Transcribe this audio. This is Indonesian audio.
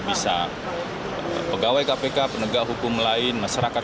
bisa pegawai kpk penegak hukum lain masyarakat